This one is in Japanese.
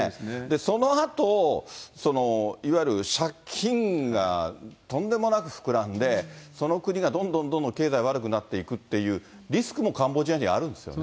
そのあと、いわゆる借金がとんでもなく膨らんで、その国がどんどんどんどん経済悪くなっていくっていう、リスクもカンボジアにはあるんですよね。